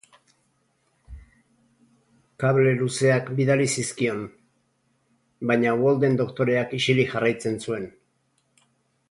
Kable luzeak bidali zizkion, baina Walden doktoreak isilik jarraitzen zuen.